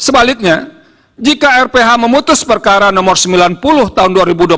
sebaliknya jika rph memutus perkara nomor sembilan puluh tahun dua ribu dua puluh